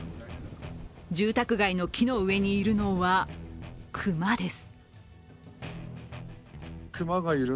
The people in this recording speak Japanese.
住宅街の木の上にいるのは熊です。